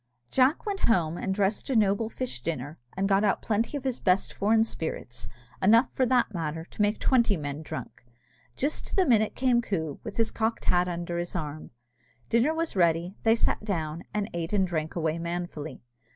Jack went home, and dressed a noble fish dinner, and got out plenty of his best foreign spirits, enough, for that matter, to make twenty men drunk. Just to the minute came Coo, with his cocked hat under his arm. Dinner was ready, they sat down, and ate and drank away manfully.